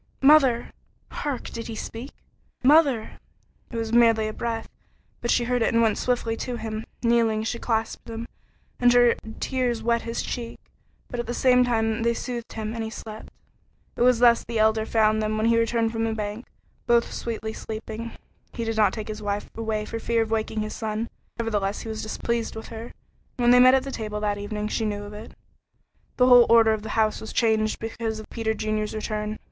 "Mother!" Hark! Did he speak? "Mother!" It was merely a breath, but she heard and went swiftly to him. Kneeling, she clasped him, and her tears wet his cheek, but at the same time they soothed him, and he slept. It was thus the Elder found them when he returned from the bank, both sweetly sleeping. He did not take his wife away for fear of waking his son, nevertheless he was displeased with her, and when they met at table that evening, she knew it. The whole order of the house was changed because of Peter Junior's return.